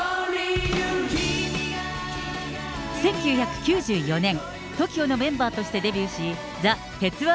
１９９４年、ＴＯＫＩＯのメンバーとしてデビューし、ザ・鉄腕！